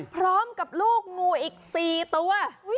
พร้อมกับลูกงูอีก๔ตัว